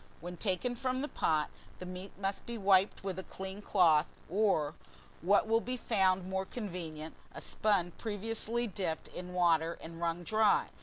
WHEN TAKEN FROM THE POT, the meat must be wiped with a clean cloth, or, what will be found more convenient, a sponge previously dipped in water and wrung dry.